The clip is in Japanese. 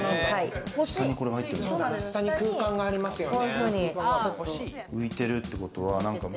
下に空間がありますよね。